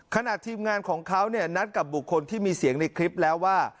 ขณะทีมงานของเขาเนี่ยนัดกับบุคคลที่มีเสียงในคลิปแล้วว่า